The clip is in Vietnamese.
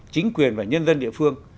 chính quyền và nhân dân địa phương